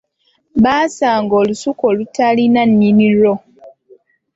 Baasanga olusuku olutaalina nnyini lwo.